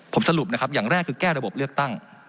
ผมสรุปนะครับอย่างแรกคือแก้ระบบเลือกตั้ง